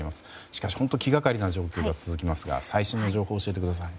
しかし本当に気がかりな情報が続きますが最新の情報を教えてください。